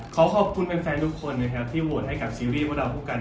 ขอขอบคุณแฟนทุกคนนะครับที่โหวตให้กับซีรีส์พวกเราคู่กัน